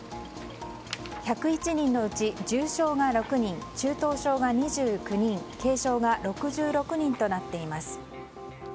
１０１人のうち重症が６人、中等症が２９人軽症が６６人となっています。